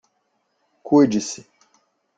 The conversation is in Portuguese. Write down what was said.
Cuide-se